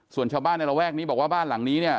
ส่วนชาวบ้านในระแวกนี้บอกว่าบ้านหลังนี้เนี่ย